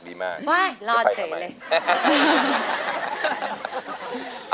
ว้ายรอดเฉยเลย